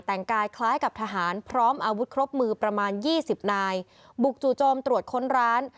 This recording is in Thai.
แต่งกายคล้ายกับทหารพร้อมอาวุธครบมือประมาณยี่สิบนายบุกจู่โจมตรวจค้นร้าน